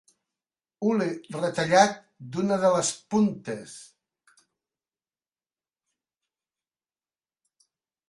Hule retallat d'una de les puntes.